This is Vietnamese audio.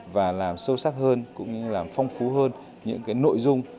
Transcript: và làm sâu sắc hơn cũng như làm phong phú hơn những cái nội dung